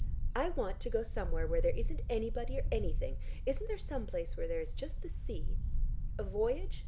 I want to go somewhere where there isn't anybody or anything. Isn't there some place where there is just the sea " "A voyage?"